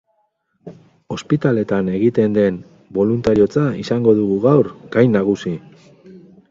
Ospitaleetan egiten den boluntariotza izango dugu gaur gai nagusi.